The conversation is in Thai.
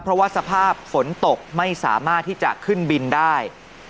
เพราะว่าสภาพฝนตกไม่สามารถที่จะขึ้นบินได้